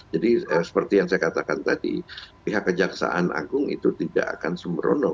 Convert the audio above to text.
jadi seperti yang saya katakan tadi pihak kejaksaan agung itu tidak akan sembrono